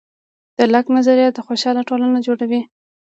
د لاک نظریه خوشحاله ټولنه جوړوي.